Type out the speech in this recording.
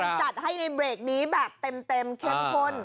จัดให้ในเบรกนี้แบบเต็มเข้มข้น